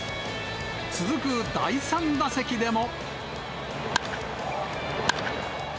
続く第３打席でも。